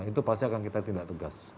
itu pasti akan kita tindak tegas